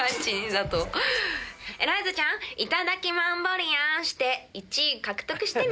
エライザちゃん、いただきマンボリアンして、１位獲得してね。